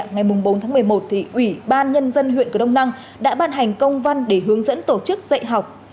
ngày bốn tháng một mươi một thì ủy ban nhân dân huyện cửa đông năng đã ban hành công văn để hướng dẫn tổ chức dạy học